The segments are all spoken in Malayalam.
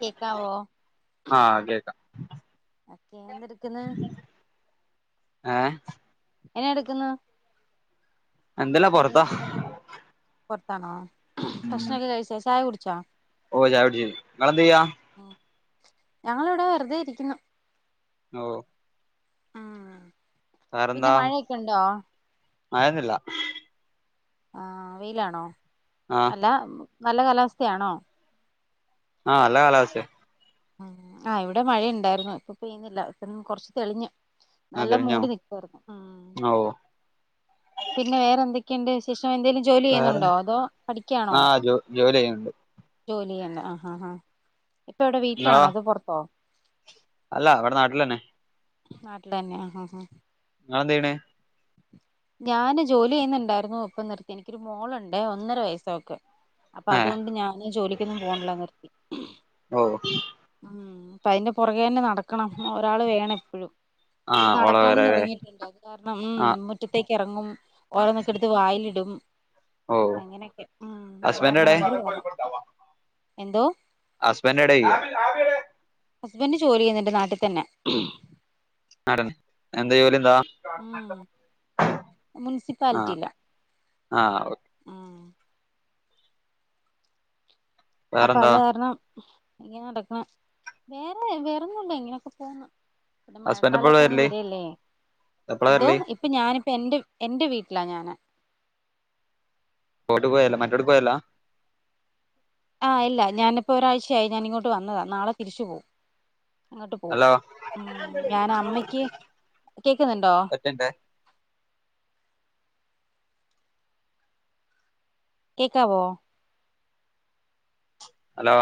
കേക്കാവോ ആഹ് കേക്കാം ഒക്കെ എന്തെടുക്ക്ന്ന് ങേ എന്നടുക്കുന്ന് എന്തല്ലാ പൊറത്ത പുറത്തണോ ഭക്ഷ്ണൊക്കെ കഴിച്ച ചായ കുടിച്ചാ ഓ ചായകുടിച്ച് ഇങ്ങളെന്തേയ ഞങ്ങളിവിടെ വെറുതെ ഇരിക്കുന്നു ഓ ഉം പിന്നെ വറെന്താ മഴയൊക്കെ ഉണ്ടോ മഴയൊന്നുല്ല ആ വെയിലാണോ ആഹ് അല്ല നല്ല കാലാവസ്ഥയാണോ. ആഹ നല്ല കാലാവസ്ഥയ ഉ ആ ഇവിടെ മഴയുണ്ടായിർന്ന് ഇപ്പൊ പെയ്യുന്നില്ല [unintelligible] കുറച്ച് തെളിഞ്ഞ്. ആഹ് നല്ല തെളിഞ്ഞോ മൂടി നിക്കാർന്നു ഉം ഓ പിന്നെ വേറെന്തൊക്കെണ്ട് വിശേഷ ഉം ന്തേലും ജോലി വേറെ ചെയ്യുന്നുണ്ടോ അതോ പഠിക്യണോ ആഹ് ജോ ജോലി ചെയ്യാന്നുണ്ട് [unintelligible] ആഹാഹാ ഇപ്പൊ എവിടെ നിങ്ങളോ വീട്ടിലാണോ അതോ പൊറത്തോ അല്ല ഇവിടെ നാട്ടിലെന്നെ നാട്ടിലെന്നെ ആഹാഹാ ഇങ്ങളെന്തെയ്യ്ണ് ഞാന് ജോലി ചെയ്യുന്ന്ണ്ടായിരുന്നു ഇപ്പം നിർത്തി എനിക്കൊരു മോളുണ്ട് ഒന്നര വയസ്സാവക്ക് അപ്പൊ ഏഹ് അതുകൊണ്ട് ഞാന് ജോലിക്കൊന്നും പോവ്ണില്ല നിർത്തി ഓ ഉം അപ്പ അയിന്റെ പുറകെതന്നെ നടക്കണം ഒരാള് വേണം എപ്പഴും ഇപ്പ ആഹ് നടക്കാനും ഓളവരല്ലേ തുടങ്ങിയിട്ടുണ്ട് അത് കാരണം ഉം ആഹ് മുറ്റത്തേക്കെറങ്ങും ഓരോന്നൊക്കെടുത്ത് വായിലിടും ഓ അങ്ങനെയൊക്കെ ഉം അത് കാരണം ഭയങ്കര പാടാ എന്തോ ഹസ്ബന്റ് ഏടെ ഹസ്ബന്റ് ജോലി ചെയ്യുന്നുണ്ട് നാട്ടിതന്നെ [unintelligible] എന്താ ജോലി എന്താ ഉം ആഹ് മുൻസിപ്പാലിറ്റിയിലാ ആഹ് അപ്പൊ വേറെന്താ അത്കാരണം ഇങ്ങനെ നടക്ക്ണ് വേറെ വെറൊന്നുല്ല ഇങ്ങനെയൊക്കെ പോന്ന് ഇവിടെ ഹസ്ബൻഡ് എപ്പളാ മഴക്കാലൊക്കിനി വരല് വരല്ലേ എപ്പളാ ഇതോ വരല് ഇപ്പൊ ഞാനിപ്പ എന്റെ എന്റെ വീട്ടി ലാ ഞാന് പോയിട്ട് പോയാലോ മറ്റോടക്ക് പോയല്ലാ ആഹ് ഇല്ല ഞാനിപ്പോ ഒരാഴ്ചയായി ഞാനിങ്ങോട്ട് വന്നതാ നാളെ തിരിച്ചു പോവും അങ്ങട്ട് പോവും ഹലോ ഉം ഞാൻ അമ്മയ്ക്ക് കേക്കുന്നുണ്ടോ ഒറ്റ മിനിറ്റെ കേക്കാവോ ഹലോ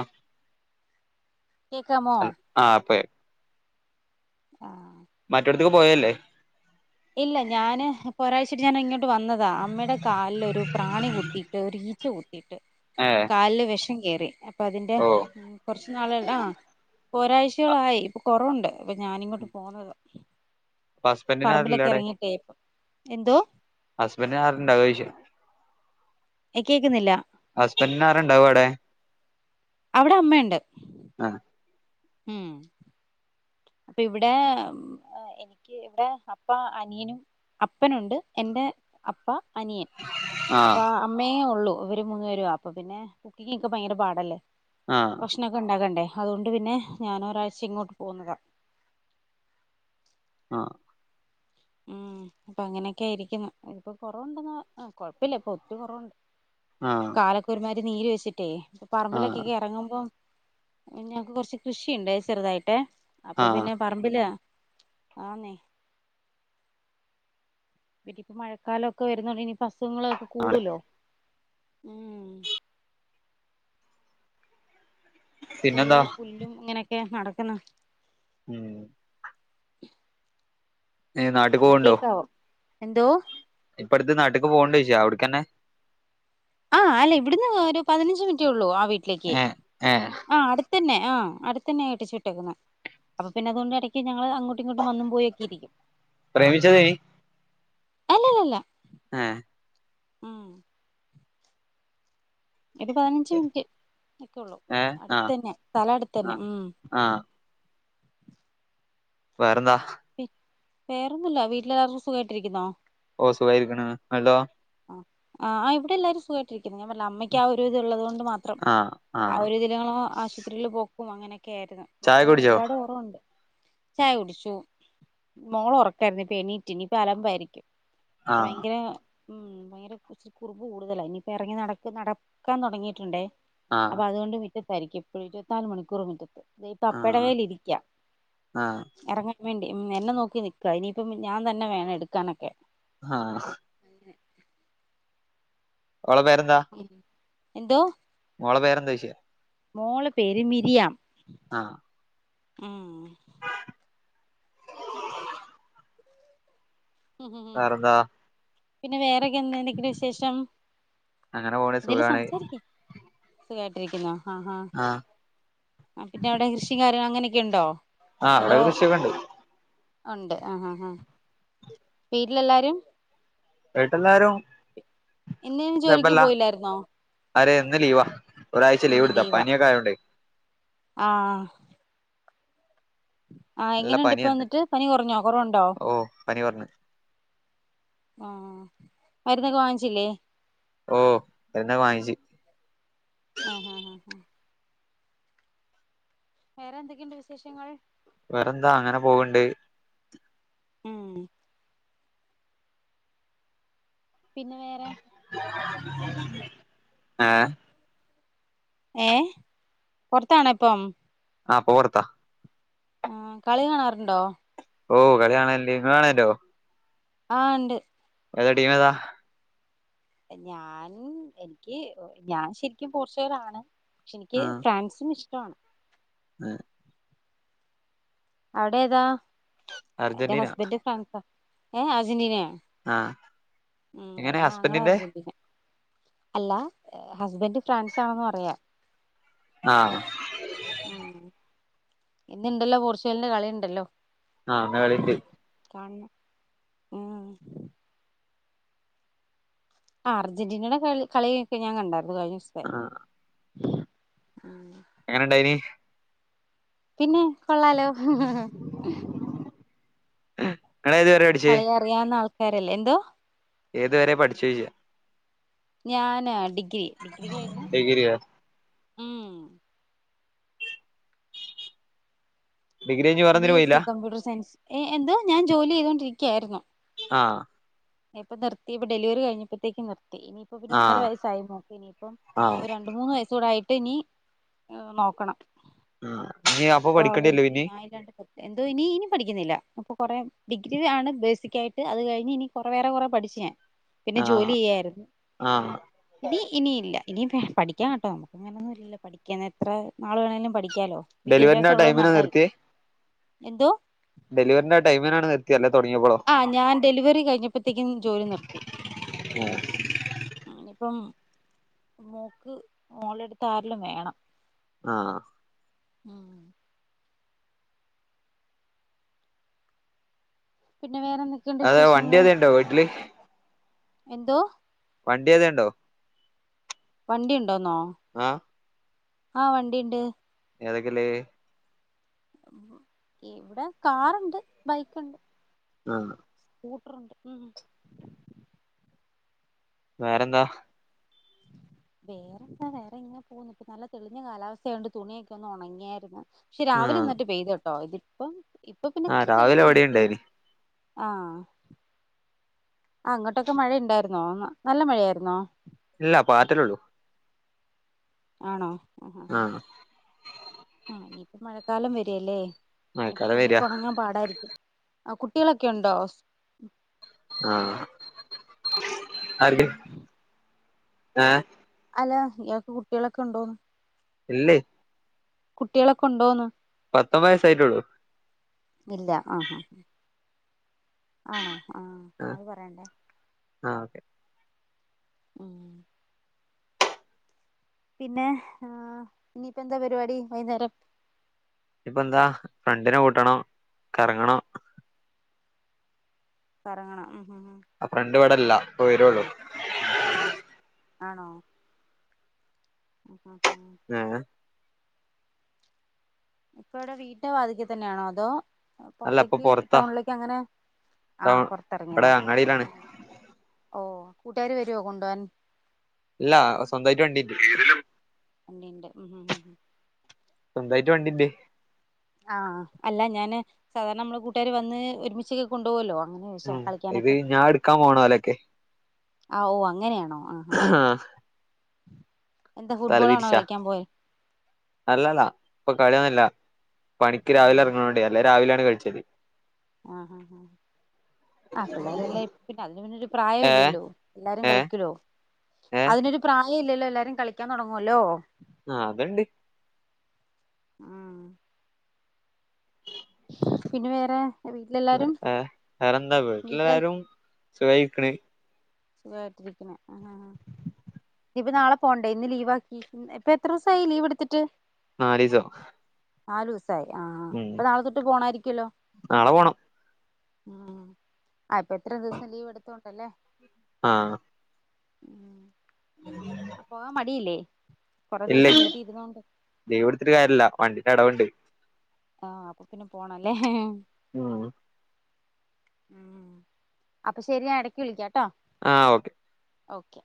കേക്കാമോ ആ ഇപ്പോ ആഹ് മറ്റടത്ത്ക്ക് പോയേല്ലേ ഇല്ല ഞാന് ഇപ്പൊരാഴ്ചയായിട്ട് ഞാനിങ്ങോട്ട് വന്നതാ അമ്മെടെ കാലിലൊരു പ്രാണി കുത്തീട്ട് ഒരു ഈച്ച കുത്തി ട്ട് ഏ കാലില് വിഷം കേറി അ പ്പതിന്റെ ഓ കൊറച്ച് നാള് ആ ഇപ്പൊരാഴ്ചയോളായി ഇപ്പൊ കൊറവുണ്ട് അപ്പൊ ഞാനിങ്ങോട്ട് പോന്നതാ അപ്പൊ ഹസ്ബന്റിന് ആരൂല്ലാ ഇറങ്ങിട്ടേ എന്തോ ഹസ്ബൻഡിന് ആരുണ്ടാവ ചോദിച്ച എ കേക്കുന്നില്ല ഹസ്ബന്റിനാരാണ്ടാവാ അവിടെ അവിടെ അമ്മയൊണ്ട് ആ ഉം അപ്പൊ ഇവിടെ എനിക്ക് ഇവിടെ അപ്പ അനിയനും അപ്പനുണ്ട് എന്റെ അപ്പ അനിയൻ ആ അപ്പ അമ്മയേ ഒള്ളൂ ഇവര് മൂന്നുപേരുവാ അപ്പൊ പിന്നെ കുക്കിംങ്ങൊക്കെ ഭയങ്കര പാടല്ലേ ആ ഭക്ഷണൊക്കെ ണ്ടാക്കണ്ടേ അതുകൊണ്ട് പിന്നെ ഞാനൊരാഴ്ച ഇങ്ങോട്ട് പോന്ന് ആ ഉം പ്പൊ അങ്ങനെയൊക്കെരിക്കുന്നു. ഇപ്പൊ കൊറവൊണ്ടെന്ന് ആ കൊഴപ്പില്ല ഇപ്പൊ ഒത്തി കൊറവുണ്ട് ആ കാലക്കൊരുമാരി നീര് വെച്ചിട്ടേ ഇപ്പൊ ആ പറമ്പിലൊക്കെക്കെറങ്ങുമ്പം ഞക്ക് കൊറച്ച് കൃഷിയുണ്ടേ ചെറുതായിട്ട് അപ്പൊ ആ പിന്നെ പറമ്പില് ആന്നെ പിന്നിപ്പ മഴക്കാലൊക്കെ വരുന്നോണ്ട് ഇനി അസുഖങ്ങളൊക്കെ ആ കൂടുലോ ഉം ഫുള്ള് പിന്നെന്താ പുല്ലും ഇങ്ങനെക്കെ നടക്ക്ന്ന് [unintelligible] [unintelligible] നാട്ടിൽ ആ പോവുണ്ടോ കേക്കാവോ എന്തോ ഇപ്പ അടുത്ത് നാട്ട്ക്ക് പോണില്ലെ ചേച്ചിയെഅവ്ട്ക്കന്നെ ആ എല്ലയ്ഇവിടുന്ന് ഒരു പതിനഞ്ച് മിനിറ്റെ ഉള്ളൂ ആ വീട്ടിലേക്ക് ഏ ഏ ആ അടു തന്നെ ആ ഹ് അടുത്തന്നെ കെട്ടിച്ചുവിട്ടേക്ക്ണ് അപ്പൊ പിന്നെ അതുകൊണ്ട് ഇടിക്കി ഞങ്ങള് അങ്ങോട്ടും ഇങ്ങോട്ടും വന്നും പോയി ഒക്കെ ഇരിക്കും പ്രേമിച്ചത് അല്ലല്ലല്ല ആ ഉം ഒരു പതിനഞ്ച് മിൻറ്റ് ഒക്കെള്ളൂ ഏ ആ അടുത്ത തന്നെ സ്ഥലം അടുത്ത ആ തന്നെ ആ [unintelligible] വേറെന്താ വേറൊന്നുല്ലവീട്ടില്‌ സുഖായിടിരിക്കുന്നോ ഓ സുഖായിരിക്ക്ണ് ങ്ങൾക്കോ ആ ആ ഇവിടെ എല്ലാരും സുഖായിട്ടിരിക്ക്ണ് പിന്നെഞാൻ പറഞ്ഞില്ലെഅമ്മയ്ക്ക് ആ ഒരു ഇത് ഉള്ളത കൊണ്ട് മാത്രം ആ ഒരു ഇതിലങ്ങള്ആശുപത്രിയിൽ പോക്കും അങ്ങനെ ഒക്കെയായിരുന്നു ചായ ഇപ്പൊ കുടിച്ചോ ഒരുപാട് കുറവുണ്ട് ചായ കുടിച്ചു മോള് ഒറക്കായിരുന്നു എണീറ്റ് ഇനിപ്പ അലപ്പായിരിക്കും ആ ഭയങ്കര ഭയങ്കര കുറുമ്പ് കൂടുതലാ ഇനിയിപ്പോ എറങ്ങി നടക്കാൻ തുടങ്ങിയിട്ടുണ്ടേ ആ അപ്പൊ അതുകൊണ്ട് മീറ്റത്തായിരിക്കും എപ്പോഴുംഇരിത്തിനാല് മണിക്കൂർമുറ്റത്ത് നി ആ പപ്പേടേലിരിക്യ ആ എറങ്ങി വേണ്ടി എന്നെ നോക്കി നിക്കാ ഇനിയിപ്പം ഞാൻ തന്നെ വേണം എടുക്കാനൊക്കെ ആഹ ഒളെപേരെന്താ എന്തോ മോളെ പേരെന്താ ചോയിച്ച് മോളെ പേര് മിരിയാം ആ മം വെറെന്താ പിന്നെ വെറെന്താ ക്കെ എന്തെക്കെ വിശേഷം അങ്ങനെ പോണ് എന്തേലും സുഖാണ് സംസാരിക്ക് സുഖയിട്ടിരിക്കുന്നോ ആഹ് പിന്നെഅവിടെ കൃഷികാര്യഅങ്ങനെയൊക്കെഉണ്ടോ ആ അവിടെ കൃഷിയൊക്കെ ഉണ്ട് ഉണ്ട് ആ ആ ആ വീട്ടിലെല്ലാരും വീട്ടില്ലാരും ഇന്നെജോലിക്ക് പോയില്ലായിരുന്നോ ആര് ഇന്ന് ലീവാ ഒരാഴ്ച ലീവ് എടുത്ത പനിയൊക്കെ ആയോണ്ട് ആ ആ നല്ല എങ്ങനെയുണ്ട് പനിയാന്ന് ഇപ്പൊന്നിട്ട് പനി കുറഞ്ഞോ കുറവ്ണ്ടോ ഓ പനി കൊറഞ്ഞ് ആ മരുന്നൊക്കെ വാങ്ങിച്ചില്ലേ ഓ എന്നെക്കെ വാങ്ങിച്ചു [unintelligible] വേറെ എന്തൊക്കെയുണ്ട് വിശേഷങ്ങൾ വേറെന്താഅങ്ങനെപോവ്ണ്ട് ഉം പിന്നെ വേറെ ആ ഏ പൊറത്താണ ഇപ്പം. ആഹ് പ്പൊപൊർത്ത. ആ കളി കാണാറുണ്ടോ? ഓ കളി കാണല്ണ്ട് ഇങ്ങള് കാണല്ണ്ടോ? ആ ഇണ്ട് ഏതാ ടീം ഏതാ? ഞാൻ എനിക്ക് ഞാൻ ശരിക്കും പോർച്ചുഗലാണ്. എനിക്ക് ഫ്രാൻസും ഇഷ്ട്ടാണ്. എ അവിടെ ഏതാ എന്റെ അർജന്റീന ഹസ്ബൻഡ് ഫ്രാൻസ ഏ അർന്റീനയാ ആ എങ്ങനെ ആങ്ങള ഹസ്ബന്റിന്റെ അർജന്റീന അല്ല ഹസ്ബൻഡ് ഫ്രാൻസ് ആണെന്ന് പറയാ ആഹ് ഉം ഇന്നുണ്ടല്ലോ പോർച്ചുഗലിന്റെ കളിണ്ടല്ലോ. ആ [unintelligible] കാണണം ഉം. ആ അർജന്റീനെടെ കളി കളിക്കെ ഞാൻ കണ്ടാരുന്നു കഴിഞ്ഞ ദിവസത്തെ. ആഹ് ആ എങ്ങനെണ്ടായിനി? പിന്നെ കൊള്ളാലോ. ഇങ്ങള് ഏത് വരെ കളി അറിയാവുന്ന ആൾക്കാരല്ലേ എന്തോ? ഏതുവരെ പഠിച്ചു ജ് ഞാനാ ഡിഗ്രി ഡിഗ്രി കഴിഞ്ഞു ഡിഗ്രിയോ ഉം ഡിഗ്രി കഴിഞ്ഞ് ബി വേറെന്നിനും എസ് പോയില്ല സി കമ്പ്യൂട്ടർ സയൻസ്. ഏഹ് എന്തൊ ഞാൻ ജോലി ചെയ്തൊണ്ടിരിക്കയാരുന്നു. ആ ഇപ്പൊ നിർത്തിപ്പ ഡെലിവറി കഴിഞ്ഞപ്പത്തേക്ക് നിർത്തി. ഇനിയിപ്പ പിന്നെ ഒന്നര ആഹ് വയസ്സായി മോക്ക്. ഇനിയിപ്പം ആഹ് ഒരു രണ്ട് മൂന്ന് വയസ്സ് കൂടെയായിട്ട് ട്ടിനി നോക്കണം. [inaudible] ഇപ്പൊ അവളെയ് പഠിക്കേണ്ടിയല്ലോ ഇനി ഞാൻ ഇല്ലാണ്ട് നിർത്തി. എന്ത് ഇനി ഇനി പഠിക്കുന്നില്ല അപ്പൊ കൊറേ ഡിഗ്രി ആണ് ബേസികായിട്ട് അത് കഴിഞ്ഞ് ഇനി കുറെ വേറെ കുറേ പഠിച്ച് പിന്നെ ജോലി ആഹ് ചെയ്യായിരുന്നു ആഹ് ഇനി ഇനിയില്ല. ഇനിയ പഠിക്കാൻ കേട്ടോ നമുക്ക് അങ്ങനൊന്നും ഇല്ലല്ലോ പഠിക്കാൻ എത്രാനാൾ വേണേലും പഠിക്കാലോ. ഡെലിവറിന്റെ ആ വിദ്യാഭ്യാസം ഉള്ളത് ടൈമിനാ നിർത്തിയേ നല്ലതല്ലേ എന്തോ? ഡെലിവറിന്റെ ആ ടൈമിനാണ് നിത്തിയല്ലേ? ആ ഞാൻ ഡെലിവറി കഴിഞ്ഞപ്പോത്തേക്കും ജോലി നിർത്തി. ഇനിപ്പം മോക്ക് മോളെടുത്ത് ആരെല്ലും വേണം. ആഹ് ഉം പിന്നെ വേറെ എന്തൊക്കെയുണ്ട് അതെ വണ്ടി വിശേഷങ്ങൾ ഏതേലുണ്ടോ വീട്ടില് എന്തോ? വണ്ടി ഏതേണ്ടോ? വണ്ടിണ്ടോ ന്നോ ആഹ് ആഹ് വണ്ടിണ്ട്. ഏതൊക്കെല്ലത്? ഇവിടെ കാറുണ്ട് ബൈക്ക്ണ്ട്. ആഹ് കൂട്ടറുണ്ട് ഉം. വേറെന്താ? വേറെന്താ വേറെ ഇങ്ങനെ പോകുന്നു. ഇപ്പൊ നല്ല തെളിഞ്ഞ കാലാവസ്ഥയോണ്ട് തുണിയൊക്കെ ഒന്ന് ഒണങ്ങിയായിരുന്നു. ക്ഷെ ആഹ് രാവിലെന്നിട്ട് പെയ്ത്ട്ടോ ഇതിപ്പം ഇപ്പ പിന്നെ ആഹ് രാവിലെ തെളിഞ്ഞാ ഇവടേം നിക്കുന്നേ. ഇണ്ടായിനി ആ അങ്ങോട്ടക്കെ മഴണ്ടാരുന്നോ നല്ല മഴയാരുന്നോ? ഇല്ല പാറ്റലൊള്ളു. ആണോ ആ ആ ആ ആഹ് ആ നിയിപ്പ മഴക്കാലം വെരല്ലേ. നിപ്പ മഴക്കാലം വരാ തുണിയൊക്കെ ഒണങ്ങാൻ പാടായിരിക്കും ആ കുട്ടികളക്കെണ്ടോ? ആ ആർക്ക് ഏ അല്ല ഇയാക്ക് കുട്ടികളക്കെ ഉണ്ടോന്ന്? ഇല്ലേ കുട്ടികളക്കെ ഉണ്ടോന്ന്? പത്തൊമ്പത് വയസായിട്ടേള്ളൂ. ഇല്ല ആ ആ ആണോ ആ ആഹ് അത് പറയണ്ടേ. ആഹ് ഓക്കെ ഉം പിന്നെ ആ ഇനിയിപ്പന്താ പരിപാടി വൈന്നേരം? ഇപ്പന്താ ഫ്രണ്ടിനെ കൂട്ടണം കറങ്ങണം. കറങ്ങണം ഉം ഉം ആ ഫ്രണ്ട് വടല്ല ഇപ്പ വരോള്ളു. ആണോ? [unintelligible] ഏഹ് ഇപ്പവിട വീട്ട വാതിക്ക തന്നാണോ അതോ? അല്ല ഇപ്പൊ പൊർത്തേക്ക് പൊറത്താ ടൗണിലേക്ക് അങ്ങനെ ആ ടൗൺ ഇവടെ പൊർത്തിറങ്ങിതാ അങ്ങാടിയിലാണ് ആ ഓ കൂട്ടുകാര് വരുവോ കൊണ്ടോവാൻ ഇല്ല സ്വന്തായിട്ട് വണ്ടിണ്ട്. വണ്ടിണ്ട് [unintelligible] സ്വന്തായിട്ട് വണ്ടിണ്ടേ. ആഹ് അല്ല ഞാന് സാധാരണ മ്മള് കൂട്ടുകാര് വന്ന് ഒരുമിച്ചൊക്കെ കൊണ്ടോവല്ലോ അ ഉം ഇത് ഞായെടുക്കാൻ പോണോലയക്കെ. ആ ഓ അങ്ങനെയാണോ ആ ആ ആ തലതിരിച്ചാ അല്ലല്ലാ പ്പ പണിയന്നില്ല പണിക്ക് രാവിലെറങ്ങണണ്ടേ അല്ലേ രാവിലെയാണ് കഴിച്ചത്. ആ ആ ആ ആ പിള്ളേരെല്ലാം [unintelligible] അതിന് പിന്നരു ഏ പ്രായല്ലല്ലോ എല്ലാരും ഏ കളിക്കുലോ. ഏ അതിനൊരു പ്രായല്ലല്ലോ എല്ലാരും കളിക്കാൻ തൊടങ്ങുവല്ലോ ആ അതണ്ട്. ഉം പിന്നെ വേറെ? വീട്ടിലെല്ലാരും വേറെ വേറെന്താ വീട്ടിലെ വീട്ട്ലാരും സുഖായിക്കണ്. സുഖായിട്ടിരിക്കണ് ആ ആ ആ ഇനിപ്പ നാളെ പോണ്ടേ ഇന്ന് ലീവാക്കി ഇപ്പൊത്രസായി ലീവെടുത്തിട്ട്? നാലിസം. നാലുസായി ആ പ്പ നാളെ തൊട്ട് പോണാരിക്കല്ലോ? നാളെ പോണം ഉ ആ പ്പത്രദിവസം ലീവ് എടുത്തോണ്ടല്ലേ. ആ ഉം അപ്പോവൻ മടിയില്ലേ? കൊറെ ഇല്ലേ ദിവസം വീട്ടിൽ ഇരുന്നോണ്ട് ലീവെടുത്തിട്ട് കാര്യല്ല വണ്ടിന്റടവുണ്ട്. ആ അപ്പപ്പിന്നെ പോണല്ലേ. ഉം ഉം അപ്പ ശെരി ഞാടെക്ക് വിളിക്കാട്ടോ. ആ ഓക്കെ. ഓക്കെ